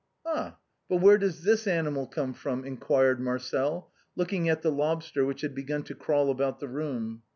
"Ah ! but where does this animal come from ?" enquired Marcel, looking at the lobster which had began to crawl about the room.